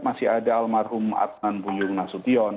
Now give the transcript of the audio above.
masih ada almarhum adnan buyung nasution